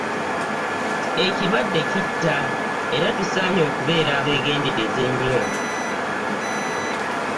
Ekirwadde kitta era tusaanye okubeera abegendereza ennyo.